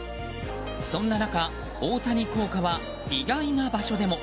そんな中、大谷効果は意外な場所でも。